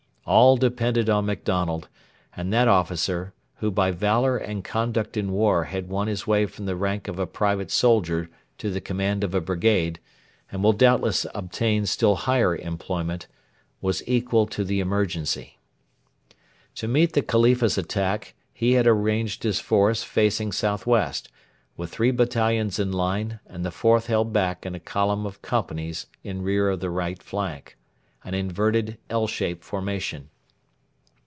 All depended on MacDonald, and that officer, who by valour and conduct in war had won his way from the rank of a private soldier to the command of a brigade, and will doubtless obtain still higher employment, was equal to the emergency. To meet the Khalifa's attack he had arranged his force facing south west, with three battalions in line and the fourth held back in column of companies in rear of the right flank an inverted L shaped formation.